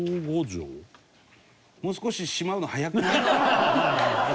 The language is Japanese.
もう少ししまうの早くない？